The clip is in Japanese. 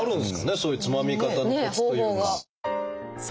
そういうつまみ方のコツというか。